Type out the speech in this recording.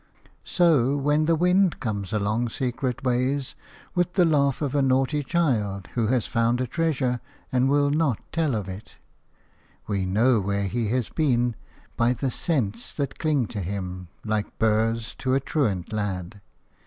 So when the wind comes along secret ways with the laugh of a naughty child who has found a treasure and will not tell of it, we know where he has been by the scents that cling to him like burrs to a truant lad.